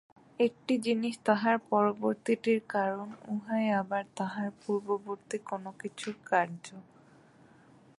একটি জিনিষ তাহার পরবর্তীটির কারণ, উহাই আবার তাহার পূর্ববর্তী কোন কিছুর কার্য।